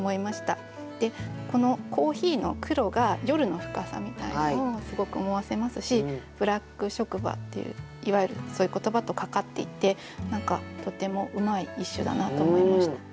でこの珈琲の黒が夜の深さみたいなのをすごく思わせますしブラック職場っていういわゆるそういう言葉と掛かっていて何かとてもうまい一首だなと思いました。